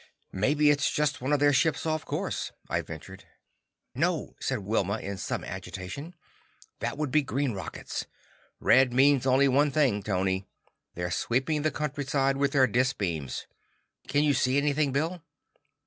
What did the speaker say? "Maybe it's just one of their ships off its course," I ventured. "No," said Wilma in some agitation. "That would be green rockets. Red means only one thing, Tony. They're sweeping the countryside with their dis beams. Can you see anything, Bill?"